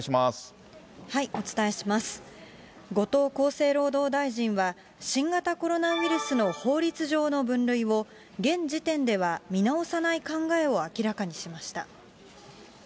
後藤厚生労働大臣は、新型コロナウイルスの法律上の分類を、現時点では見直さない考えを明らかにしました。